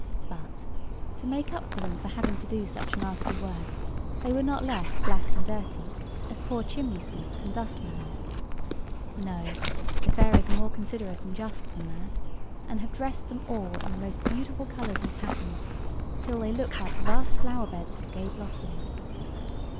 But, to make up to them for having to do such nasty work, they were not left black and dirty, as poor chimney sweeps and dustmen are. No; the fairies are more considerate and just than that, and have dressed them all in the most beautiful colours and patterns, till they look like vast flower beds of gay blossoms.